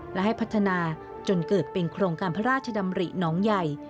และให้พัฒนาจนเกิดเป็นโครงการพระราชดำริน้องใหญ่